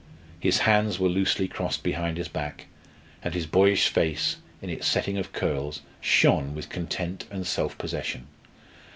His hands were loosely crossed behind his back, and his boyish face, in its setting of curls, shone with content and self possession.